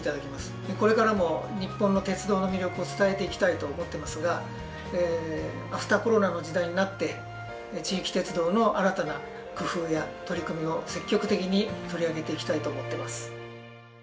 これからも日本の鉄道の魅力を伝えていきたいと思ってますがアフターコロナの時代になって地域鉄道の新たな工夫や取り組みを積極的に取り上げていきたいと思ってます。